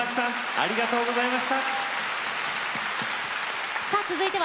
ありがとうございます。